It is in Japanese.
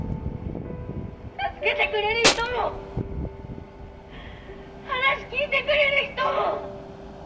助けてくれる人も話聞いてくれる人も！